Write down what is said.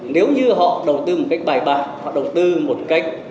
nếu như họ đầu tư một cách bài bạc họ đầu tư một cách nghiêm trình